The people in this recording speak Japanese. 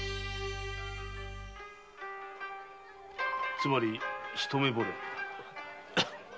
つまり一目惚れ。